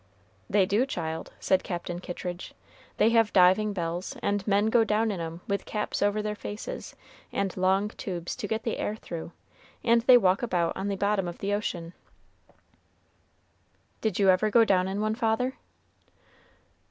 "They do, child," said Captain Kittridge; "they have diving bells, and men go down in 'em with caps over their faces, and long tubes to get the air through, and they walk about on the bottom of the ocean." "Did you ever go down in one, father?"